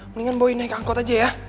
mendingan boy naik angkot aja ya